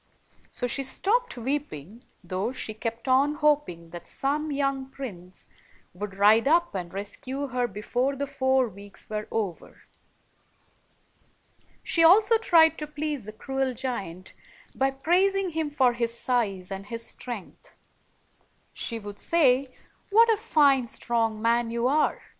So she stopped weep ing, though she kept on hoping that some young prince would ride up and rescue her before the four weeks were over. She also tried to please the cruel giant by praising him for his size and his strength. She would say, "What a fine, strong man you are!